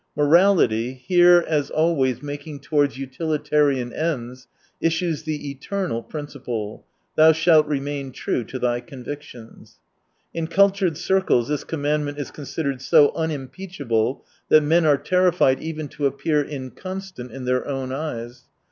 Morality, here as always making towards utilitarian ends, issues the " eternal " principle : thou shalt remain true to thy convictions. In culttired circles this commandment is con sidered so unimpeachable that men are terri fied even to appear inconstant in their own eyes.